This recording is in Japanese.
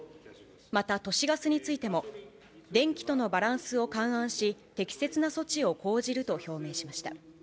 また都市ガスについても、電気とのバランスを勘案し、適切な措置を講じると表明しました。